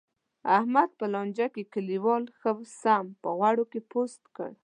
احمد په لانجه کې، کلیوالو ښه سم په غوړو کې پوست کړ.